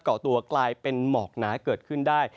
เกาะตัวกลายเป็นหมอกหนาเกิดขึ้นได้